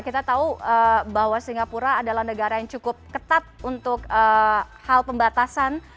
kita tahu bahwa singapura adalah negara yang cukup ketat untuk hal pembatasan